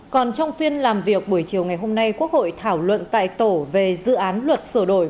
còn trong phiên làm việc buổi chiều ngày hôm nay quốc hội thảo luận tại tổ về dự án luật sửa đổi